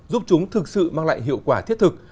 giúp chúng thực sự mang lại hiệu quả thiết thực